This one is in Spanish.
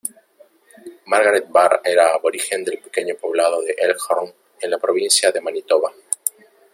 Margaret Barr era aborigen del pequeño poblado de Elkhorn en la provincia de Manitoba.